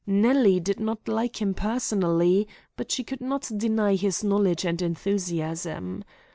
Nellie did not like him personally, but she could not deny his knowledge and enthusiasm.